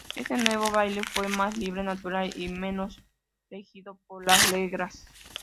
Este nuevo baile fue más libre, natural y menos regido por reglas.